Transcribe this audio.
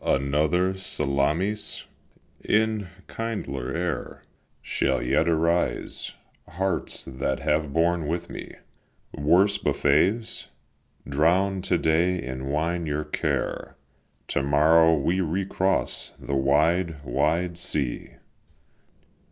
Another Salamis in kindlier air Shall yet arise. Hearts, that have borne with me Worse buffets! drown to day in wine your care; To morrow we recross the wide, wide sea!"